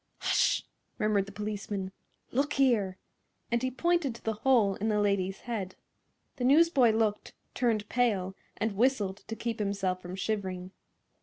"Hush!" murmured the policeman. "Look here!" and he pointed to the hole in the lady's head. The newsboy looked, turned pale and whistled to keep himself from shivering.